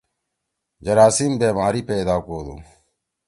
جراثیم بیماری پیدا کودُو۔